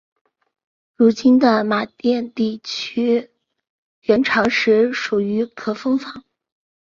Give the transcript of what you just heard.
如今的马甸地区元朝时属于可封坊。